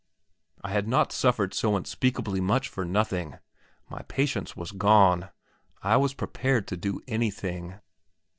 I had not suffered so unspeakably much for nothing my patience was gone I was prepared to do anything.